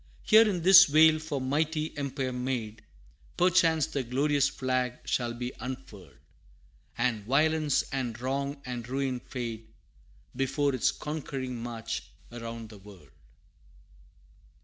Here in this vale for mighty empire made, Perchance the glorious flag shall be unfurled, And violence and wrong and ruin fade, Before its conquering march around the world!